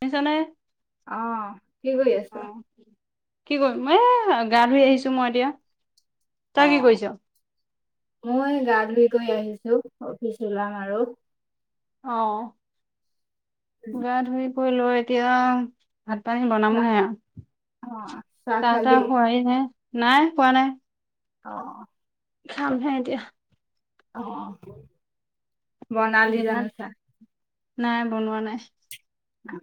শুনিছ নে অ কি কৰি আছ? অ কি কৰিম মই এ গা ধুই আহিছোঁ মই এতিয়া অ তই কি কৰিছ মই গা ধুই গৈ আহিছোঁ অফিচ ওলাম আৰু অ উম, গা ধুই কৰি লৈ এতিয়া ভাত পানী বনাম চাহ হে আৰু অ চাহ তাহ খোৱাই‌ নাই খোৱা নাই অ খাম হে এতিয়া অ অ যিমান নাই বনোৱা নাই উ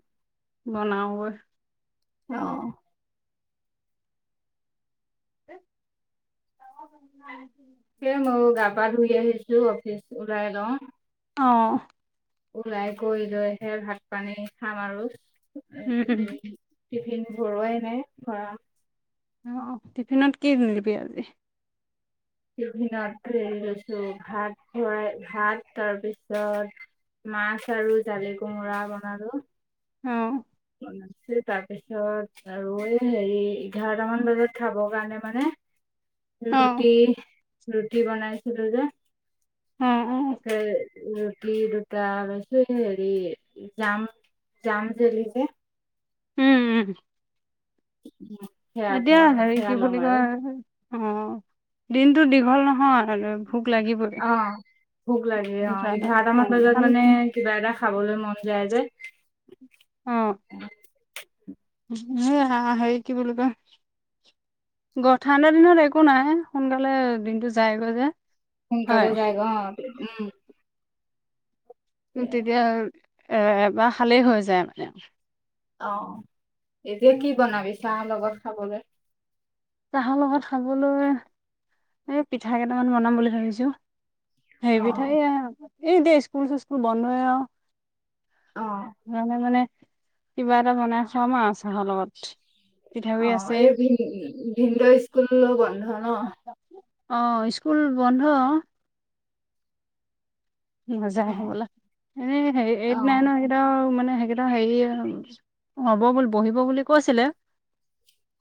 বনাওঁ কয়। অঁ [inaudible] সেইয়ে মইও গা পা ধুই আহিছোঁ অফিচ ওলাই লওঁ। অঁ ওলাই কৰি লৈ হে ভাত পানী খাম উম, আৰু। টিফিন ভৰোৱাই নাই, ভৰাম অঁ অ, টিফিনত কি নিবি আজি? টিফিনত হেৰি লৈছোঁ, ভাত ভৰাই ভাত তাৰ পিছত মাছ আৰু জালি কোমোৰা বনালোঁ। অঁ বনাইছো তাৰপিছত আৰু এই হেৰি এঘাৰটা মান বজাত খাব কাৰণে মানে [unintelligible] অ' ৰুটি ৰুটি বনাইছিলোঁ যে অ' অ' সেই ৰুটি দুটা আৰু হেৰি জাম জাম জেৰি যে উম উম [unintelligible] এতিয়া ঘৰ হেৰি সেয়া কি ল'ম বুলি আৰু কয়, অঁ দিনটো দীঘল নহয় আৰু ভোক লাগিবই। অ ভোক লাগে অঁ, সেইকাৰণে এঘাৰটা মান অ', বজাত ধান মানে কিবা এটা খাবলৈ মন যায় যে। অঁ এই হা হেৰি কি বুলি কয়? গ ঠাণ্ডাত দিনত একো নাই সোনকালে দিনটো যায়গৈ যে। সোনকালে হয় যায়গে অঁ উম। তেতিয়া এ এবাৰ খালেই হৈ যায় মানে। অঁ, এতিয়া কি বনাবি চাহ লগত খাবলে? চাহৰ লগত খাবলৈ এ পিঠা কেইটামান বনাম বুলি ভাবিছো। অ হেভিদট থৈও আহোঁ, এই এতিয়া স্কুল চিচকুল বন্ধয়েঅ। অ মে মানে কিবা এটা বনাই খাম আৰু চাহৰ লগত। অ পিঠাগুৰি আছেই এই ভি ভিন্দও স্কুল বন্ধ ন। অঁ স্কুল বন্ধ। অ নাযায় হবলা, এই অ এইত নাইন এইটৰ মানে সেইকেইটা হেৰি হ'ব বুলি বহিব বুলি কৈছিলে।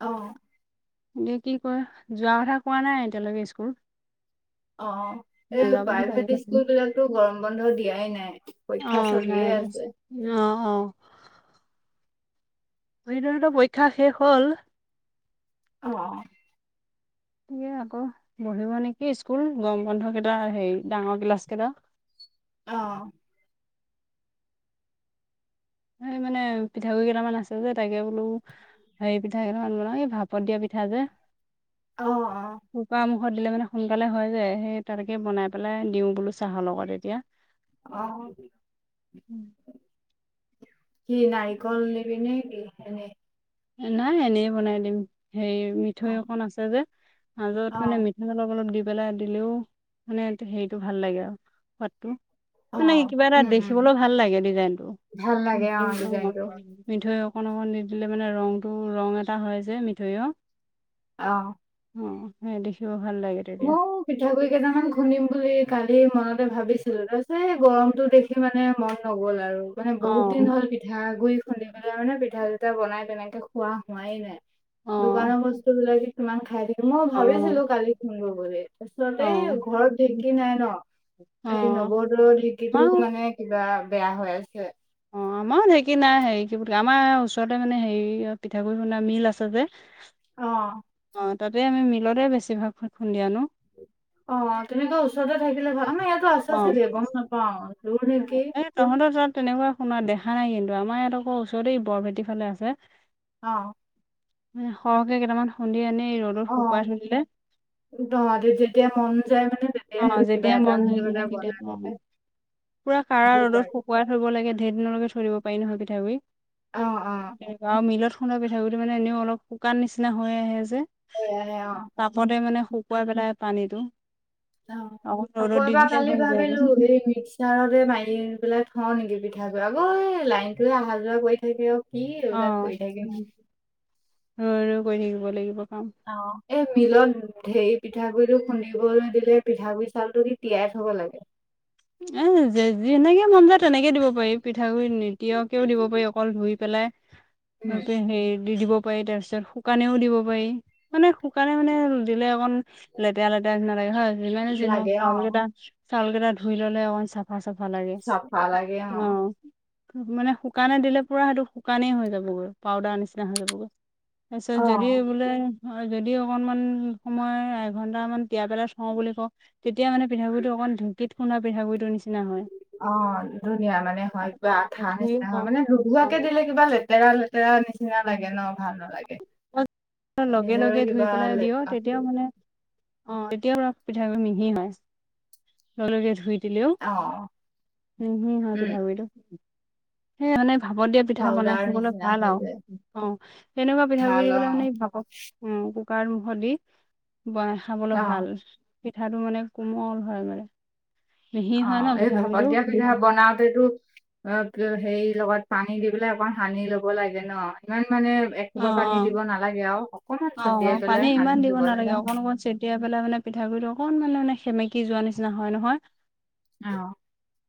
অ এতিয়া কি কৰে, যোৱা কথা কোৱা নাই এতিয়ালৈকে স্কুল। অঁ এই নাযাব প্ৰাইভেট চাগে স্কুল বিলাকতো গৰম বন্ধ দিয়াই নাই। অ পৰীক্ষা চলিয়ে নাই আছে দিয়া অঁ অঁ ভিনদেউ হতৰঁ ত পৰীক্ষা শেষ হ'ল। অঁ অঁ এতিয়া আকৌ পঢ়িব নেকি, স্কুল গম বন্ধ কেইটা হেৰি ডাঙৰ ক্লাছ কেইটা। অঁ স মানে পিঠাগুৰিকেইটামান আছে যে তাকে বোলো হেৰি পিঠা কেইকান বনাও, এই ভাপত দিয়া পিঠা যে। অ অঁ কুকাৰ মুখত দিলে মানে সোনকালে হয় যে, সেই তেনেকে বনাই পেলাই দিওঁ বোলো চাহৰ লগত এতিয়া। অঁ শুনি। কি নাৰিকল নিবি নে কি? এনেই নাই এনেই বনাই দিম। সেই অ মিঠৈ অকন আছে যে মাজত অ মানে মিঠ অলপ অলপ দি পেলাই দিলেও মানে হেৰিটো ভাল লাগে আও সোৱাদটো। অ মানে কিবা এটা উম উম দেখিবলো ভাল লাগে ডিজাইনটো। ভাল লাগে অ ডিজাইনটো মিঠৈ অকণ অকণ নি দিলে মানে ৰংটো ৰং এটা হয় যে মিঠৈঅ। অঁহ। ওম, সেই দেখিব ভাল লাগে। তেতিয়া মও পিঠাগুড়ি কেইটামান খুন্দিম বুলি কালি মনতে ভাবিছিলো তাৰপিছত এই গৰমতো দেখ দেখি মানে মন নগ'ল আৰু। মানে অ বহুত দিন হ'ল পিঠাগুড়ি খুন্দি পেলাই মানে পিঠা চিঠা বনাই তেনেকে খোৱা হোৱাই নাই। অ দোকান বস্তু বিলাকে কিমান খাই থাকিম মও অ ভাবিছিলো কালি খুন্দো বুলি। অ আঁচলতে এই ঘৰত ঢেঁকী নাই ন! অ এই নৱহঁতৰ ঢেঁকীটো আমাৰো মানে কিবা বেয়া হৈ আছে। আমাও ঢেকী নাই হেৰি কি বুলে আমাৰ ওচৰতে মানে হেৰি পিঠাগুড়ি খুন্দা মিল আছে যে। অঁ। অঁ তাতে আমি মিলতে বেছিভাগ খু খুন্দি আনো। অঁ তুমিটো ওচৰতে থাকিলে ভাল আমা ইয়াতো আছ অ', চাগে গ'ম নাপাও দূৰ অ', নেকি। এই তহঁতৰ তাত তেনেকুৱা শুনা দেখা নাই কিন্তু আমাৰ ইয়াত আক' ওচৰতেই এই বৰভেটি ফালে আছে। অঁ সে সৰহকে কেইটামান খুন্দি এনেই ৰ'দৰ শুকুৱাই থৈ দিলে। দ যেতিয়া মন যায় মানে তে অঁ যেতিয়াই মন যায় কিবাকিবি পেলাই [unintelligible] পুৰা কাৰা খাব ৰ'দত শু পাৰি। শুকোৱাই থৈ দিব লাগে, দেৰ দিনলৈকে থৈ দিব পাৰি নহয় পিঠাগুড়ি অ', অ', তেনেকোৱা আৰু মিলত খুন্দা পিঠা গুড়িটো মানে এনেও অলপ শুকান নিচিনা হৈ আহে যে। হৈ আহে অ'। তাপতে মানে শুক শুকুৱাই পেলাই পানীটো অঁ অকণ আকৌ ৰ'দত দি এবাৰ দিলে কালি হৈ যায় ভাবিলো এই মিক চাৰতে মাৰি পেলাই থওঁ নেকি পিঠাগই। আক' এই, লাইনতটোৱে আহা যোৱা কৰি থাকে অ' কি, এইবিলাক অ', কৰি থাকে নো ৰৈ ৰৈ কৰি থাকিব লাগিব, কাম। অঁ এ মিলন ধেই পিঠাগুড়িটো খুন্দিবলৈ দিলে, পিঠাগুড়ি চউলটো দি, তিয়াই থ'ব লাগে। এ, যে যেনেকে মন যাই তেনেকে দিব পাৰি। পিঠাগুৰি নিতিয়াকেও দিব পাৰি, অকল ধুই পেলাই। উম, তাতে সেই দি দিব পাৰি তাৰ পিছত, শুকানেও দিব পাৰি, মানে শুকানে মানে দিলে অকণ লেতেৰা-লেতেৰা নিচিনা লাগে হয়। যিমানে যি নহওঁক লাগে অ', চাউলকেটা, চাউলকেটা ধুই ললে, অকণ চাফ বা চাফা লাগে, চাফা লাগে অ', অঁ। মানে শুকানে দিলে, পুৰা সেইটো শুকানেই হৈ যাবগৈ, পাউদাৰ নিচিনা হৈ যাবগৈ। তাৰছত যদি অ'। বোলে হয়, যদি অকনমান সময়, এঘন্টামান তিয়াই পেলাই থওঁ বুলি কওঁ তেতিয়া মানে ঠাগুৰিটো অকমান ধেকীত খুন্দা পিঠাগুৰিটো নি অঁ ধুনীয়া মানে হয়, পুৰা অ' আঠা ধুই নিচিনা হয় অ' মানে নোধোৱাকে দিলে কিবা লেতেৰা লেতেৰা নিচিনা লাগে ন' ভাল নালাগে। [unintelligible] লগে নিজৰে লগে ধুই কিবা পেলাই দিয় লেতেৰা তেতিয়াও মানে অঁ, এতিয়াও পুৰা পিঠাটো মিহি হয়। লগে লগে ধুই- দিলেও, অ', মিহি হয় উম, পিঠাগুৰিটো। সেই মানে, ভাপত দিয়া পিঠা বনাই পাউদাৰ খাবলৈ নিচিনা ভাল হৈ আও যায় অঁ' তেনেকুৱা পিঠাগুৰি ভাল দি পেলাই অ', মানে- উম, কুকাৰৰ মুখত দি, বনাই খাবলৈ ভাল। অ', পিঠাটো মানে, কোমল হয় মানে। মিহি হয় অঁ, ন এই ভাপত পিঠাগুৰিটো দিয়া পিঠা বনাওতেটো- অঁ', হেৰি লগত, পানী দি পেলাই অকন সানি লব লাগে ন'। ইমান মানে- অ একোবা পানী দিব নালাগে আৰু, অকনমান অ ছটিয়াই পেলাই, সানি দিব লাগে। তিয়াই পালে মানে, পিঠাগুৰিটো অকন মান মানে, সেমেকি যোৱা নিচিনা হয় নহয়। অঁ'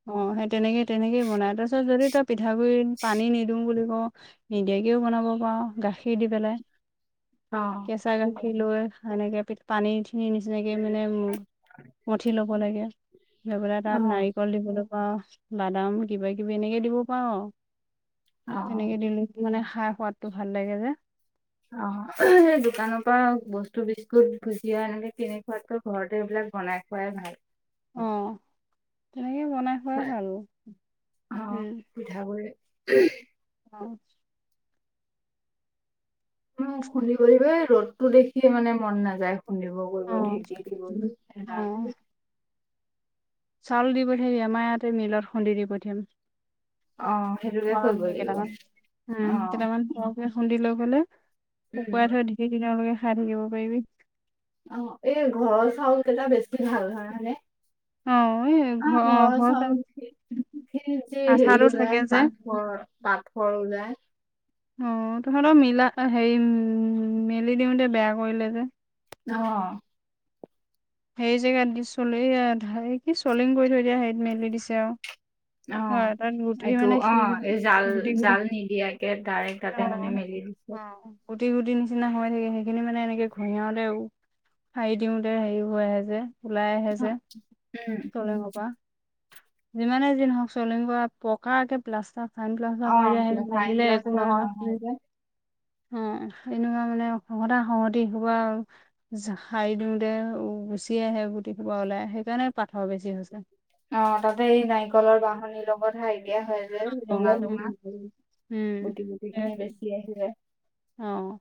অঁ, সেই তেনেকেই-তেনেকেই বনাই, তাপিছত যদি ত- পিঠাগুড়িত পানী নিদোওঁ বুলি কওঁ, নিদিয়াকেও বনাব পাৰ। গাখীৰ দি পেলাই। অঁ' কেঁচা গাখীৰ লৈ, সেনেকে পানীখিনি নিচিনাকে মানে- মঠি ল'ব লাগে। লৈ পেলাই তাত, অ', নাৰি- কল দিবলৈ পাওঁ, বাদাম কিবা কিবি এনেকে দিব পাওঁ আও। অ'। তেনেকে দিলে, মানে খাই সোৱাদটো ভাল লাগে যে। অঁ' দোকানৰ পৰা বস্তু বিছকুট, ভুজিয়া একেনে কিনি খোৱাতকৈ- ঘৰতে, এইবিলাক বনাই খোৱাই ভাল। অঁ' তেনেকে বনাই খুৱাই ভাল। অ উম'। পিঠাগুৰি- অঁ' এই ৰ'দতো দেখিয়ে মানে মন নাযায়, খুন্দিব। অ', [unintelligible] চাউল দি পঠিয়াবি, আমাৰ ইয়াতে মিলত খুন্দি দি পঠিয়াম। অ সেইটোকে কৰিব লাগিব কেইটামান, উম, অ কেইটামান উম'। খুন্দি লৈ গলে, শুকুৱাই উম তই ধেই দিনৰলেকে খাই থাকিব পাৰিবি। অঁ, এই ঘৰৰ চাউল কেইটা বেছি ভাল জানা নে? অ এই অঁ ঘৰ অ ঘৰৰ ঘৰ চাউল- যি আঠাটো হেৰি থাকে ওলায়, যে অ পাথৰ, পাথৰ ওলায়। অঁ, তহঁতৰ মিলা হেৰি, মেলি দিওঁতে বেয়া কৰিলে যে। অঁ' সেই জেগাত চলেয়া কি চলিং কৰি থৈ দিয়া হেৰিত মেলি দিছে আৰু। অঁ' হয় তাত গুটি এইটো মানে শিল অঁ' এই জাল গুটি গুটি জাল নিদিয়া- কে তাই অ তাতে মানে মেলি দিছে। অ গুটি গুটি নিচিনা হৈ থাকে সেইখিনি মানে এনেকে ঘহিয়াওতেও- সাৰী দিওঁতে হেৰি হৈ আহে যে ওলাই আহে যে উম, চলেঙৰ পৰা। যিমানে যি নহওক চলিং কৰা পকাকে প্লাষ্টাৰ- চান প্লাষ্টা কৰি আ অ', ফাইন ঢালি দিলে একো প্লাষ্টাৰ নহয়। যে অঁ এনেকুৱা মানে খহতা খহতি হোপা- যা সাৰি দিওঁতে গুচি আহে গুটি খোপা ওলাই সেইকাৰণে পাথৰ বেছি হৈছে। অঁ' তাতে এই নাৰিকলৰ বাঁহনিৰ লগত হাৰি দিয়া হয়। ৰঙা ৰঙা উম, গুটি গুটি খিনি বেছি আহিলে। অঁ'।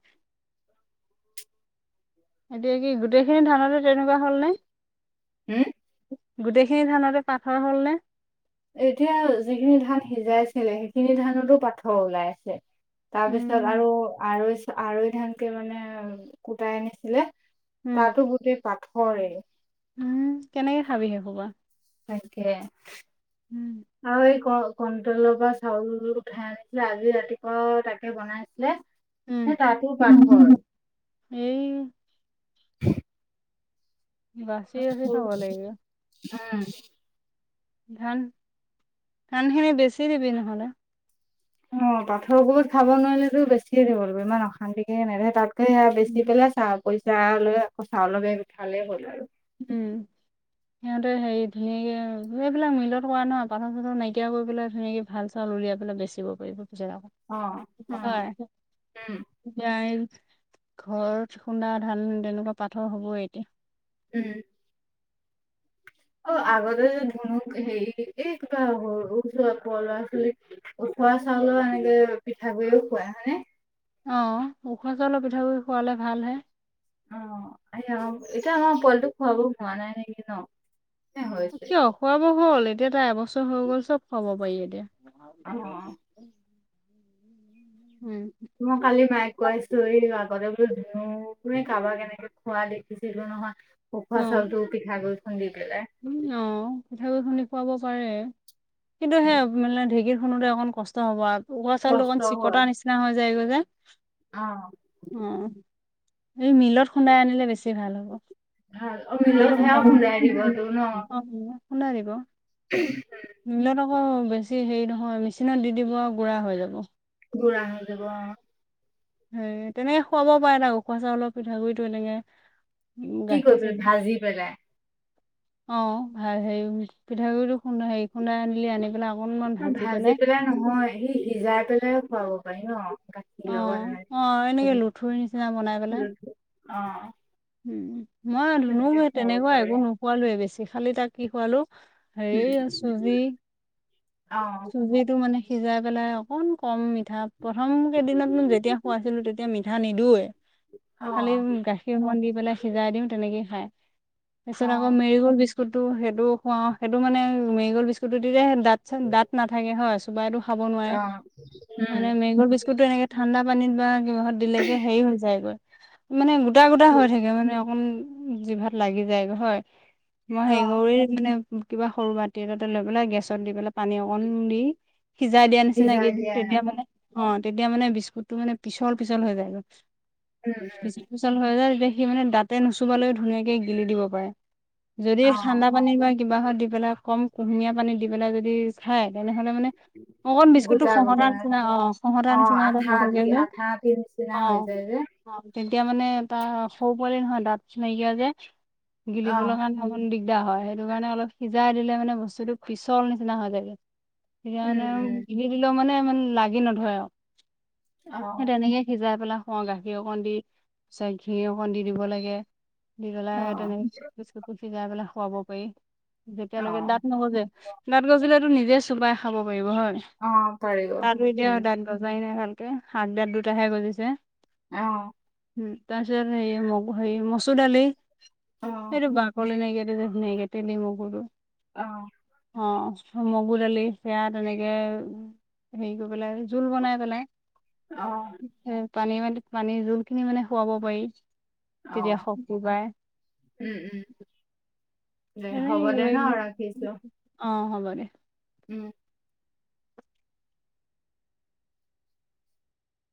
এতিয়া কি গোটেইখিনি ধানতো তেনেকুৱা হ'ল নে? হুম? গোটেই খিনি ধানতে পাঠৰ হ'ল নে? এতিয়া যিখিনি ধান সিজাইছিলে সেইখিনি ধানতো পাথৰ ওলাই আছে। উম, তাৰপিছত আৰু আৰৈ-আৰৈ ধানটো মানে কুটাই আনিছিলে উম, তাতো গোটেই পাথৰে। উম কেনেকে খাবি সেইসোপা? তাকে আৰু ক-কণটলৰ পৰা চাউল উঠাই আনিছিলে আজি ৰাতিপুৱা তাকে বনাইছিলে। উম। হে তাতো পাথৰ। এই বাচি বাচি খাব লাগিব [unintelligible] উম। ধান, ধানখিনি বেছি দিবি নহ'লে। অ পাথৰবোৰ খাব নোৱাৰিলেতো বেছিয়ে দিব লাগিব, ইমান অশান্তিকে [unintelligible] তাত। ত সয়া উম, বেচি পেলাই চা পইচা লৈ আকৌ চাউল বেগ উঠালেই হ'ল আৰু। উম। সিহঁতে হেৰি ধুনীয়াকে এইবিলাক মিলত কৰা নহয় পাথৰ-চাথৰ নাইকিয়া কৰি পেলাই ধুনীয়াকে ভাল চাউল উলিয়াই পেলাই বেচিব পাৰিব পিছেত অ', আকৌ। অ', হয় উম, এতিয়া এই ঘৰত খুন্দা ধান তেনেকুৱা পাথৰ হ'বই এতিয়া। উম। অ আগতে যে ধুনু হেই এই কিবা [unintelligible] উখোৱা চাউলও এনেকে পিঠাগুৰিও খুৱাই হয়নে? অ উখোৱা চাউলৰ পিঠাগুড়ি খোৱালে ভাল হে। অ অ এতিয়া আমাৰ পোৱালিটোক খুওঁৱা হোৱা নাই নেকি ন, নে হৈছে? খোৱাব হ'ল এতিয়া তাৰ এবছৰ হৈ গ'ল চব খাব পাৰি এতিয়া। অ', উম। মই কালি মায়ে কৈ [unintelligible] [unintelligible] কাৰোবাক কেনেকে খোৱা দেখিছিলো নহয় উখোৱা চাউলতো পিঠা গুড়ি খুন্দি পেলাই। উ অ পিঠাগুড়ি খুন্দি খুৱাব পাৰে কিন্তু সেই মানে ঢেঁকীত খুন্দতে অকন কষ্ট হ'ব আৰু উখোৱা চাউল কষ্ট অকন হয় চিকতাৰ নিচিনা হৈ যায় গৈ যে। অ। অ এই মিলত খুন্দাই আনিলে বেছি ভাল হ'ব। ভাল অ মিলতো মিলত সেৱাও খুন্দাব খুন্দাই দিবতটো ন? অ খুন্দাই দিব। [inaudible] মিলত আকৌ বেছি হেৰি নহয় মেচিনত দি দিব আৰু গুড়া হৈ যাব। গুৰা হৈ যাব অ। উম তেনেকে খুৱাব পাৰে ত উখোৱা চাউলৰ পিঠগুড়িটো এনেকে উম কি গাখীৰ কৰি পেলাই? চাখীৰ ভাজি পেলাই? অ ভাল হেৰি পিঠাগুড়িটো খুন্দা হেৰি খুন্দা আনিলি আনি পেলাই ভাজি পেলাই নহয় সি-সিজাই পেলাই খুৱাব পাৰি ন। গাখীৰ অ লগত এনেকে অ এনেকে লুঠুৰি নিচিনা বনাই পেলাই। অ। উ মই ধুনুক তেনেকে খুৱাব তেনেকুৱা পাৰি একো নোখোৱালয়ে বেছি খালি তাক কি খোৱালো হেৰি উম, আৰু চুজি অ', চুজটো মানে সিজাই পেলাই অকন কম মিঠা প্ৰথম কেইদিনতনো যেতিয়া খোৱাইছিলোঁ তেতিয়া মিঠা নিদওঁৱেই। অ', খালি গাখীৰ অকমান দি পেলাই সিজাই দিওঁ তেনেকেই খাই। তাৰ পিছত আকৌ অ', মেৰি গল বিস্ বিস্কুটটো সেইটো খুৱাওঁ সেইটো মানে মেৰি'গল বিস্কুটটো দিলে হেনো দাঁত দাঁত নাথাকে হয় চোবাইতো খাব নোৱাৰে অ', মানে উম, মেৰিগল বিস্কুটটো এনেকে ঠাণ্ডা পানীত বা কিবাত দিলেকে হেৰি হৈ যায়গৈ মানে গোটা গোটা হৈ থাকে। মানে অকমান জিভাত লাগি যায় হয় মই হেৰি অ', কৰিক মানে কিবা সৰু বাতি এটাতে লৈ পেলাই গেছত দি পেলাই পানী অকন দি সিজাই দিয়াৰ নিচিনা সিজাই কেইদিন দিয়া তেতিয়া মানে অ তেতিয়া মানে বিস্কুটটো মানে পিছল পিছল হৈ যায়গৈ। উম উম পিচল পিচল হৈ যায় তেতিয়া সি মানে দাঁতে নুচুবালৈও ধুনীয়াকে গিলি দিব পাৰে। যদি অ ঠাণ্ডা পানী বা কি কিবা হয় দি পেলাই কম কুহুমীয়া পানী দি পেলাই যদি খায় তেনেহ'লে মানে মই অকন বিস্কুটটো গোটা গোটা খহতাৰ নিচিনা অ অ খহতাৰ নিচিনা আঠা আঠি তাতথকেইযোৰ আঠা আঠিৰ নিচিনা অঁ হৈ যায় যে অ। অ তেতিয়া মানে তাৰ সৰু পোৱালি নহয় দাঁত চ নাইকিয়া যে অ গিলিবলৈ কাৰণে অকন দিগদাৰ হয় সেইটো কাৰণে অলপ সিজাই দিলে মানে বস্তুটো পিছল নিচিনা হয় যায়গে। তেতিয়া মানে উম গিলি দিলেও মানে ইমান লাগি নধৰে আৰু চি উম অ সেই তেনেকে সিজাই পেলাই খোৱাওঁ গাখীৰ অকন দি চাই ঘি অকন দি দিব লাগে। দি অ পেলাই তেনে বিস্কুটটো সিজাই পেলাই খুৱাব পাৰি। অ যেতিয়ালৈকে দাঁত নগজে দাঁত গজিলেতো নিজে চোবাই খাব পাৰিব হয়। অ পাৰিব তাৰতো এতিয়া উম দাঁত গজাই নাই ভালকে আগ দাঁত দুটাহে গজিছে। এ অ অ। উম উ, তাৰপিছত আৰু সেই এ মুগ হে মচুৰ দালি অ সেইটো বাকলি নাইকিয়াটো যে নে গেটিলি মগুৰু। অঁ অ অ। অঁ অ অ, মুগু দালি সেয়া তেনেকে হেৰি কৰি পেলাই জোল বনাই পেলাই। অ অ অ। এ পানী ইমানটো পানী যোনখিনি মানে খুৱাব পাৰি অ তেতিয়া শক্তি পায়। উম উম, দে এনে হ'ব দে কিবা ন কিবি ৰাখিছো। অ হ'ব দে। উম উ।